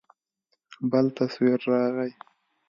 بل تصوير راغى.